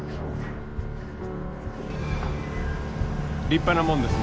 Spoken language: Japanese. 立派なもんですな。